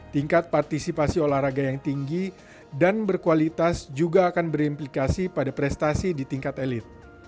tingkat partisipasi olahraga yang tinggi dan berkualitas juga akan berimplikasi pada prestasi di tingkat elit